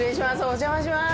お邪魔します。